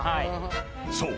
［そう。